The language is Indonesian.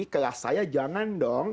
kelas saya jangan dong